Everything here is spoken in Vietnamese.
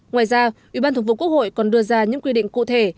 ngoài ra ủy ban thường vụ quốc hội còn đưa ra những quy định cụ thể